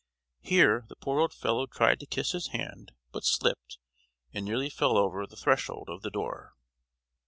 Here the poor old fellow tried to kiss his hand, but slipped, and nearly fell over the threshold of the door.